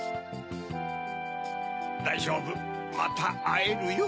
だいじょうぶまたあえるよ。